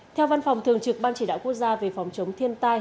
theo văn phòng thường trực ban chỉ đạo quốc gia về phòng chống thiên tai